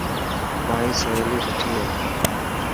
مائي سهيلي سٺي هي.